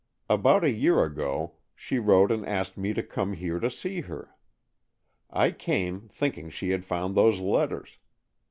About a year ago, she wrote and asked me to come here to see her. I came, thinking she had found those letters.